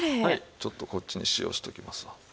ちょっとこっちに塩しておきますわ。